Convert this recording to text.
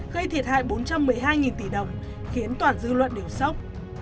gây thiệt hại bốn trăm một mươi hai tỷ đồng khiến toàn dư luận đều sốc